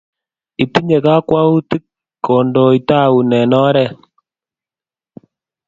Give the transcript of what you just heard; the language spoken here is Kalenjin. Itinye kakwoutik kondoitaun eng oret